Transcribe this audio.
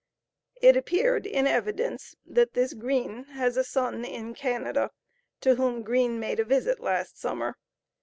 It appeared, in evidence, that this Green has a son in Canada, to whom Green made a visit last summer.